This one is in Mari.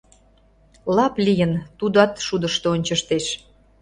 Лап лийын, тудат шудышто ончыштеш...